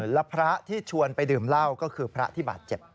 แล้วพระที่ชวนไปดื่มเหล้าก็คือพระที่บาดเจ็บ